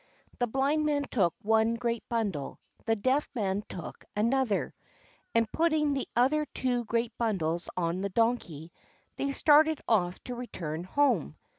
The Blind Man took one great bundle, the Deaf Man took another, and, putting the other two great bundles on the Donkey, they started off to return home.